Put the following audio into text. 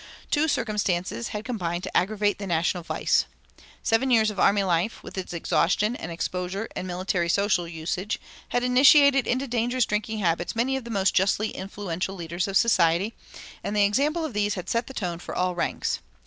Two circumstances had combined to aggravate the national vice. Seven years of army life, with its exhaustion and exposure and military social usage, had initiated into dangerous drinking habits many of the most justly influential leaders of society, and the example of these had set the tone for all ranks.